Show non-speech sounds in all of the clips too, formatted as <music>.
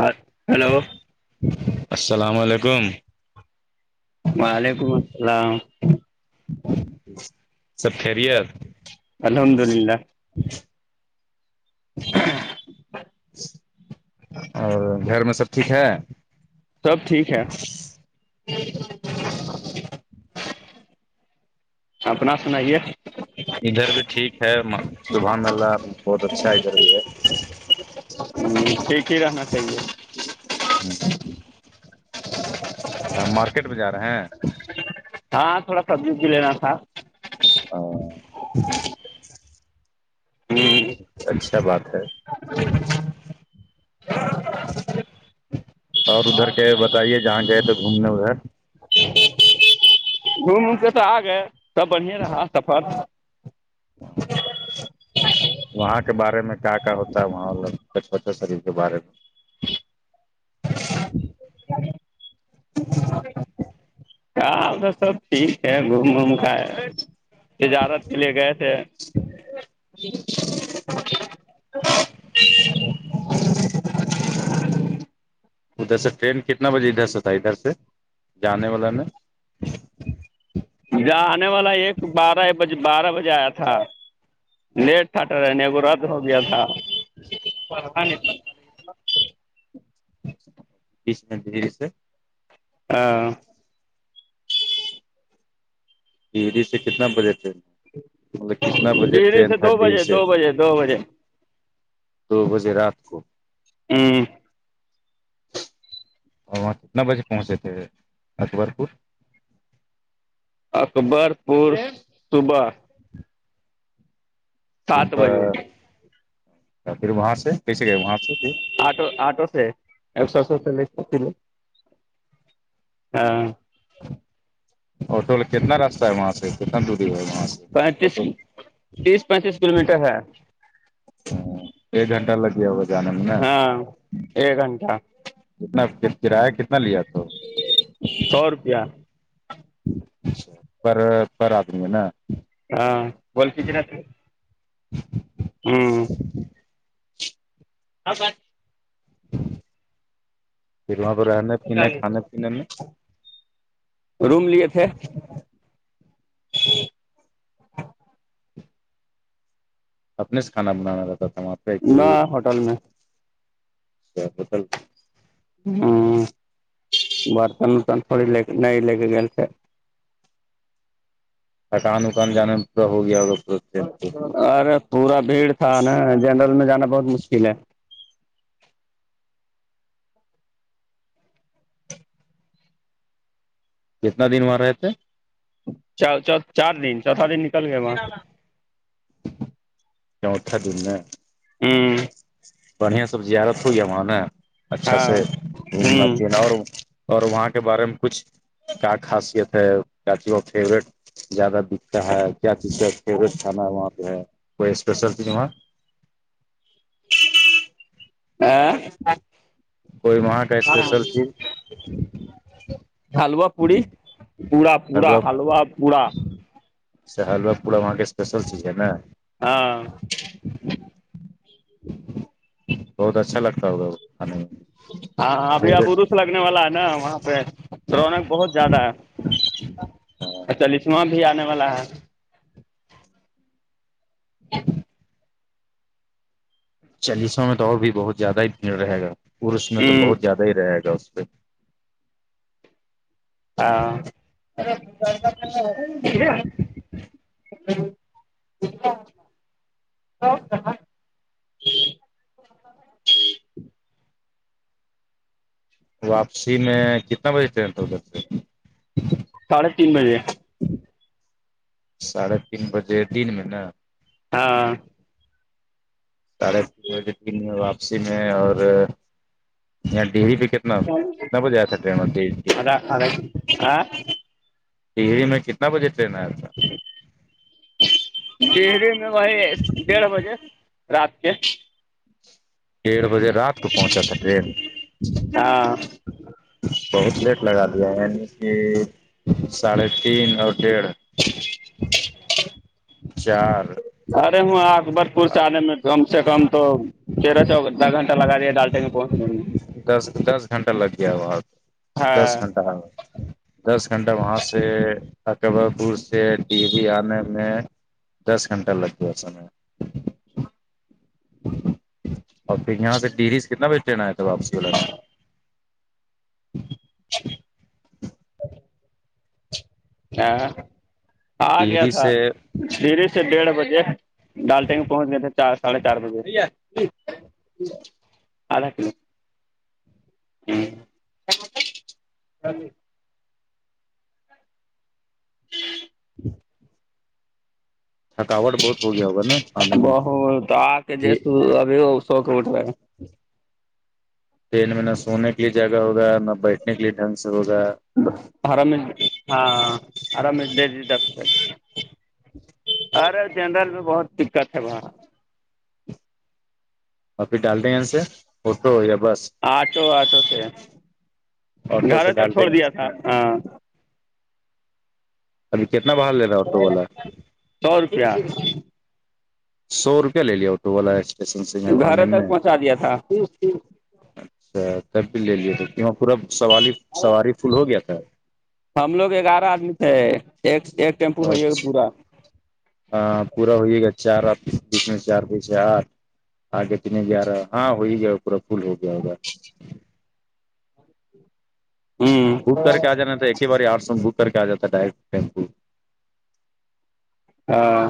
hello hello السلام علیکم وعلیکم السلام سب خیریت الحمد للہ اور گھر میں سب ٹھیک ہے سب ٹھیک ہے اپنا سنائیے ادھر بھی ٹھیک ہے سبحان اللہ بہت اچھا ادھر بھی ہے ٹھیک ہی رہنا چاہیے ہوں مارکیٹ پہ جا رہے ہیں ہاں تھوڑا سبزی بھی لینا تھا ہاں ہچ ہوں اچھا بات ہے اور ادھر کے بتائیے جہاں گئے تھے گھومنے ادھر گوم وام کے تو آ گئے سب بڑھیا رہا سفر وہاں کے بارے میں کیا کیا ہوتا ہے وہاں شریف کے بارے میں ادھر سب ٹھیک ہے گوم وام تجارت کے لیے گئے تھے ج ادھر سے ٹرین کتنا بجے ادھر سے تھا ادھر سے جانے والا میں ہاں آنے والا ایک بارہ بج بارہ بجے آیا تھا لیٹ تھا رہنے رات ہو گیا تھا <inaudible> ہاں یہیدی سے کتنا بجے تھے مطلب کتنا بجے تھے ڈیری سے دو تھرڈی بجے سے دو بجے دو بجے دو بجے رات کو ہوں اور وہاں کتنا بجے پہنچے تھے اکبر پور اکبر پور صبح سات بجے پھر وہاں سے کیسے گئے وہاں سے پھر آٹو آٹو سے ایک سو اسیی روپے لیے ہاں آٹو کتنا رستہ ہے وہاں سے کتنا دوری ہے وہاں سے پینتیس آٹو تیس پینتیس کلو میٹر ہے ایک گھنٹہ لگ گیا ہوگا جانے میں نا ہاں ایک گھنٹہ کتنا کرایہ کتنا لیا تو کیا پر پراتھ میں نہ ہاں بول <inaudible> ہوں اا <inaudible> پھر وہاں پہ رہنے پینے کھانے پینے میں روم لیے تھے اپنے سے کھانا بنانا رہتا تھا وہاں پہ نہ کہ ہوٹل میں ہوٹل ہ برتن ورتن تھوڑی نہیں لےکے گے تھے تھکان وکان جانے میں پورا ہو گیا ہو ارے پورا بھیڑ تھا نا جنرل میں جانا بہت مشکل ہے کتنا دن وہاں رہے تھے چ چار دن چوتھا دن نکل گئے وہاں سے چوتھا دن ہے ہوں بڑھیا سب زیارت ہو گیا وہاں نا اچھا سے ہاں گھومنا ہوں پھرنا اور اور وہاں کے بارے میں کچھ کیا خاصیت ہے کیا فیوریٹ زیادہ کیا کیا چیز کا فیوریٹ کھانا ہے وہاں پہ ہے کوئی اسپیشل چیز وہاں آ کوئی وہاں کا آر <inaudible> اسپیشل چیز حلوا پوڑی پوڑا پوڑا حلوا پوڑا س حلوہ پوڑا وہاں کے اسپیشل چیز ہے نا ہاں بہت اچھا لگتا ہوگا کھانے میں ہاں ابھی اب فیوریٹ عروس لگنے والا ہے نا وہاں پہ روونک بہت زیادہ ہے اچھا لسما بھی آنے والا ہے ا <unintelligible> چالیسواں میں تو اور بھی بہت زیادہ ہی بھیڑ رہے گا عروس میں تو ہوں بہت زیادہ ہی رہے گا اس پہ ہاں <unintelligible> واپسی میں کتنا بجے ٹرین ساڑھے تین بجے ساڑھے تین بجے دن میں نا ہاں ساڑھے تین بجے تین واپسی میں اور یہاں ڈیرے پہ تنا کتنا بجے آ سکتے ہیں ٹہی میں کتنا بجے ٹرین آیا تھا ڈری میں وہی ڈیڑھ بجے رات کے ڈیڑھ بجے رات کو پہنچا تھا ٹرین ہاں بہت لیٹ لگا دیا یعنی کہ ساڑھے تین اور ڈیڑھ <unintelligible> چار ارے ہوں آگ بر جیپور سے آنے میں کم سے کم تو تیرہ چودھہ گھنٹہ لگا دیا ڈالٹے میں پہنچنے میں دس دس گھنٹہ لگ گیا وہاں دس ہاں گھنٹہ دس گھنٹہ وہاں سے اکبر پور سے ٹی وی آنے میں دس گھنٹہ لگ گیا سالہ اور پھر یہاں سے ڈیری سے کتے بجے ٹرین آئے تھے واپسی والے میں ہ آ گیا ڈیہری تھا سے دیرے ڈیڑھ بجے ڈالٹنگ پہنچ گئے تھے چار ساڑھے چار بجے ھیک <unintelligible> ہے آدھا کلو <unintelligible> جی <unintelligible> تھکاوٹ بہت ہو گیا ہوگا نا کھانے میں بہت آ کے جی جیس ابھی سوکے اٹھ رہے ٹرین میں نہ سونے کے لیے جگہ ہوگا نہ بیٹھنے کے لیے ڈھنگ سے ہوگا آرام ہاں ہرام د جی د <unintelligible> جچ <inaudible> ارے جنرل میں بہت دقت ہے وہاں آپ ھر ڈال دیں ہیاں سے فوٹو یا بس آٹو آٹو سے آٹو گھر سے تک ڈالتے چھوڑ دیا تھا ہیں ہاں ابھی کتنا باڑ لے گا آٹو والا سو روپیہ سو روپیہ لے لیا آٹو والا اسٹیشن سے یہاں گھر آنے تک میں پہنچا دیا تھا اچھا تب بھی لے لیے تو کہ وہاں پورا سواری سواری فل ہو گیا تھا ہم لوگ گیارہ آدمی تھے ایک ایک ٹیمپو ہے یہ پورا ہاں پورا ہوے گا چار بیچ میں چار بجس آٹھ آگے کتنے گیارہ ہاں ہو ہی گیا پورا فل ہو گیا ہوگا ج <unintelligible> ہوں بک کر کے آ جانا تھا ایک ہی بار آٹھ سو میں بک کر کے آ جا تھا ڈائریکٹ ٹیمپو ہاں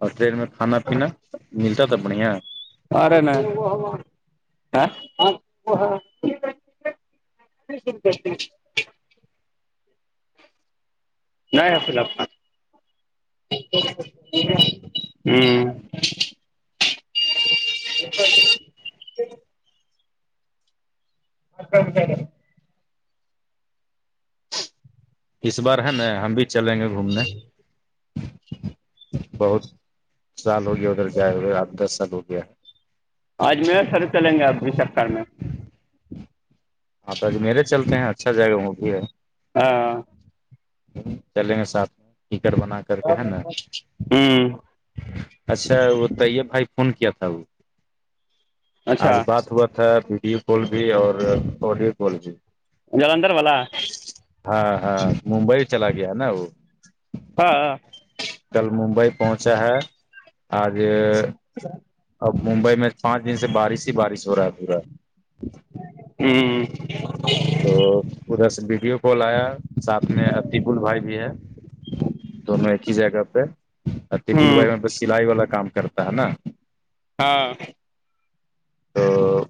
اور ٹرین میں کھانا پینا ملتا تھا بڑھیا ارے نہ <inaudible> نہیں آ ف لپ ہ <unintelligible> آچ ہے <unintelligible> اس بار ہے نا ہم بھی چلیں گے گھومنے بہت سال ہو گیا ادھر جائے ہوے آٹھ دس سال ہو گیا ہے آج م شرو چلیں گے اب بھی سرر میں <unintelligible> ہاں تو اج میرے چلتے ہیں اچھا جائے گا وہ بھی ہے ہاں چلیں گے ساتھ میں کیکر بنا کر کے ہے نا ہوں اچھا وہ طیب بھائی فون کیا تھا وہ اچھا آج بات ہوا تھا ویڈیو کال بھی اور آڈیو کال بھی جالندھر والا ہاں ہاں ممبئی چلا گیا نا وہ ہاں ہاں کل ممبئی پہنچا ہے آج سچ <unintelligible> اب ممبئی میں پانچ دن سے بارش ہی بارش ہو رہا ہے پورا ہوں تو ادھر سے ویڈیو کال آیا ساتھ میں اتیبل بھائی بھی ہے دونوں ایک ہی جگہ پہ اتیبل ہوں بھائی میں بس سلائی والا کام کرتا ہے نا ہاں تو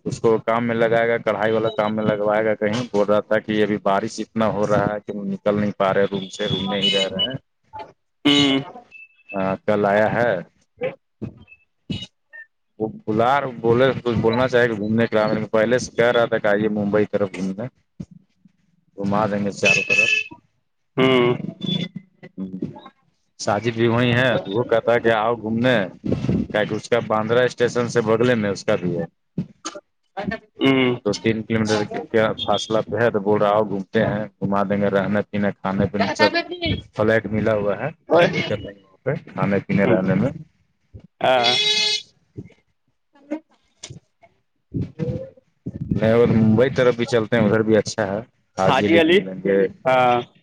اس کو کام میں لگائے گا کڑھائی والا کام میں لگوائے گا کہیں ب رہا تھا ابھی بارش اتنا ہو رہا ہے کہ نکل نہیں پا رہے روم سے روم نہیں رہ رہے ہیں ہوں ہاں کل آیا ہے ا <unintelligible> وہ بلا رہ بولے کچھ بولنا چاہے کہ گھومنے کے پہلے سے کہہ رہا تھا کہئیے ممبئی طرف گھومنے گھما دیں گے چاروں طرف ہوں ہ سج وہی ہے تو وہ کر کہ آؤ گھومنے کہ اس کا باندرا اسٹیشن سے بگلے میں اس کا بھی ہے ہوں تو تین کلو میٹر کیا فاصلہ تو بول رہا ہ گھومتے ہیں گھما دیں گے رہنے ہ کھانے پینے ہاں سب فلٹ ملا ہ ہوا ہے کوئی دقت نہیں پ کھانے پینے رہنے میں ہاں نہیں اور ممبئی طرف بھی چلتے ہیں ادھر بھی اچھا ہے حاضی علی گھوم لیں گے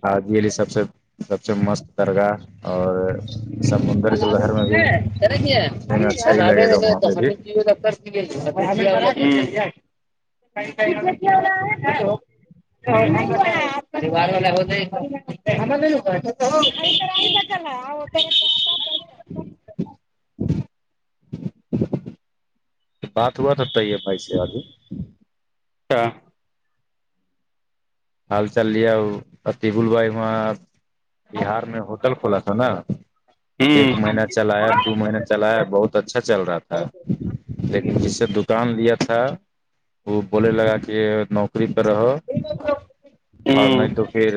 حاضی علی سب سے سب سے مست درگاہ اور سمندر کی لہر میں بھی گھومنے میں اچھا ہی لگے گا وہاں پہ بھی <unintelligible> <unintelligible> وار وال ہو ہم <unintelligible> جی چلو آؤ پھر <inaudible> بات ہوا تھا تی ہے بھائی سے آگے اچھا ہال چال لیا ہو ا ٹیبل بائی ہواں بہار میں ہوٹل کھولا تھا نا ایک مہینہ چلایا دو مہین چلایا بہت اچھا چل رہا تھا لیکن جس سے دکان لیا تھا وہ بولنے لگا کہ نوکری پر رہو اور نہیں تو پھر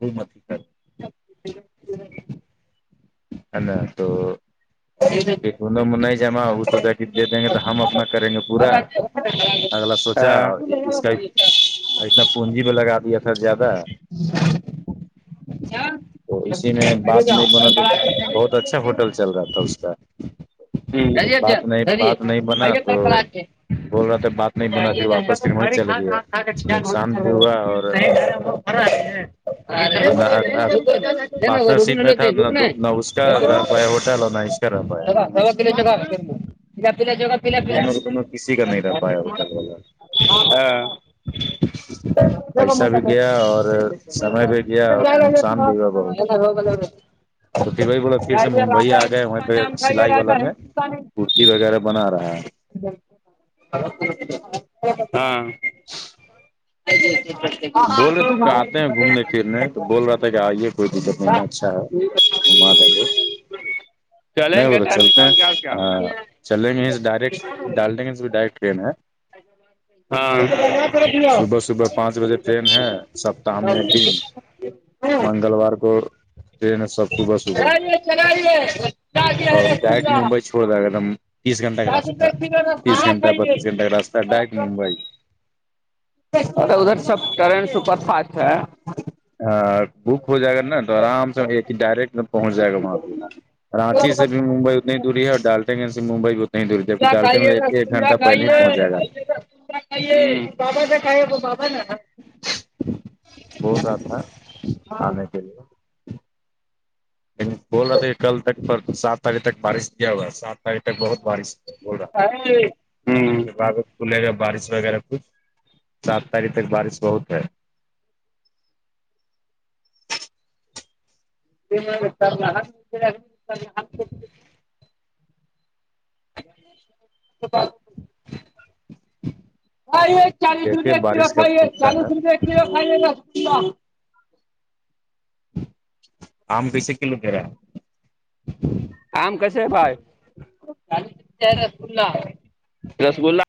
<unintelligible> <unintelligible> ہے ن تو دونوں میں نہیں جمع وہ سوسٹی دے دیں گے تو ہم اپنا کریں گے پورا اگلا سوچا اس کا ایک ہاں اتنا پونجی پہ لگا دیا تھا زیادہ تو اسی میں بات نہیں بنا تو بہت اچھا ہوٹل چل رہا تھا اس کا بات نہیں بات نہیں بنا تو بول رہا تھاے بات نہیں بنا پھر واپس پھر وہیں چل گیا نقصان بھی ہوا اور <inaudible> پارٹنر شپ میں تھا نہ نہ اس اکر رہاپ ہے ہوٹالونا اشکراپ ہے دونوں کو دونوں <unintelligible> کسی کا نہیں رہ پایا ہوٹل والا ہاں جگا پیسہ مسا بھی کر گیا تو اور سمے بھی گیا اور <unintelligible> اللہ نقصان بھی ہوا بہت ہوگا ہوگا <unintelligible> تو پھر وہی ل <unintelligible> لطیف بھائی پھر سے ممبئی آ گیے ہوے تھے سلائی والا میں کرتی وغیرہ بنا رہا ہے ہاں ج <unintelligible> ج <unintelligible> بول رہے تھے کہ آتے ہیں گھومنے پھرنے تو بول رہا تھا کہ آئیے کوئی دقت نہیں ہے اچھا ہے گھما دے گے چلیں نہیں وہ گے تو ٹائم چلتے ہیں نکال کے چلیں گے ڈ ڈائٹ ڈال ڈن سے بھی ڈائریکٹ ٹرین ہے اب کرتی ہو میں سپتاہ میں ایک دن منگلوار کو ٹرین ہے سب صبح صبح اور ڈائریکٹ ممبئی چھوڑ رہ ایک دم تیس گھنٹہ کا راستہ ہے تیس ہاں گھنٹہ بتیس گھنٹہ کا راستہ ہے ڈائریکٹ ممبئی ادھر سب ٹرین سپر فاسٹ ہے ہاں بک ہو جائے گا نا آرام سے ایک ڈائریکٹ میں پہنچ جائے گا وہاں پہ رانچی سے بھی ممبئی دوری ہے ڈالتے سے ممبئی کو کیا کھائیے شملا کھائیے پہنچ جائے گا رلہ کھائیے بابا سے کھائیے وہا <unintelligible> بول رہا تھا آنے کے لیے بول رہا تھا کہ کل تک پر سات تاریخ تک بارش کیا ہوا سات ابھی تک بہت بارش ہو رہا بع کھلے گا بارش وغیرہ کچھ سات تاریخ تک بارش بہت ہے میں <unintelligible> تو پ <inaudible> <inaudible> کھاے چالیس دیکھیے روپئے ایک کلو بارش کب کھائیے کھلتا ہے چالیس روپئے ایک کلو کائیے آم کسے کلو دے رہا ہے آم کیسے ہے بھائی رسگلہ رسگلہ